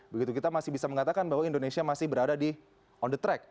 begitu kita masih bisa mengatakan bahwa indonesia masih berada di on the track